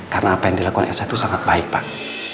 karena apa yang dilakukan elsa itu sangat baik pak